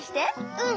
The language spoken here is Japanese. うん！